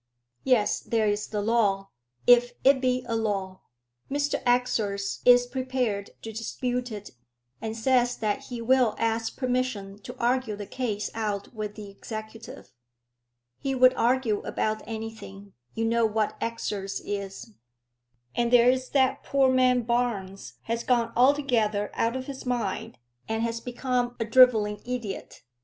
"Yes, there is the law, if it be a law. Mr Exors is prepared to dispute it, and says that he will ask permission to argue the case out with the executive." "He would argue about anything. You know what Exors is." "And there is that poor man Barnes has gone altogether out of his mind, and has become a drivelling idiot."